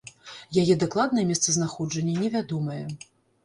Яе дакладнае месцазнаходжанне невядомае.